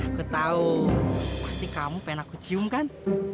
aku tahu pasti kamu pengen aku cium kan